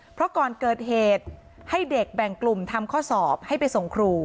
เพราะก่อนเกิดเหตุให้เด็กแบ่งกลุ่มทำข้อสอบให้ไปส่งครู